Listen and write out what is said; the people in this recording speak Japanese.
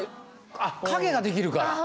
あっ影ができるから。